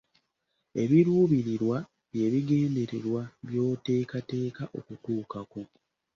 Ebiruubirirwa bye bigendererwa by'oteeketeeka okutuukako.